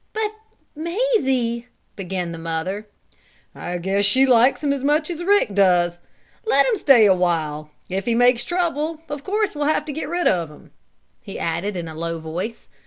"But Mazie " began the mother. "I guess she likes him as much as Rick does. Let him stay a while. If he makes trouble, of course we'll have to get rid of him," he added in a low voice.